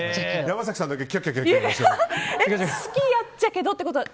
山崎さんだけ好きやっちゃけどってことは